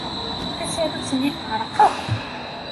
Tasarut-nni teɛreq akk.